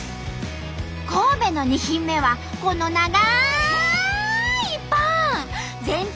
神戸の２品目はこの長いパン！